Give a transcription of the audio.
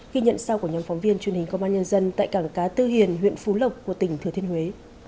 ghi nhận sau của nhóm phóng viên truyền hình công an nhân dân tại cảng cá tư hiền huyện phú lộc của tỉnh thừa thiên huế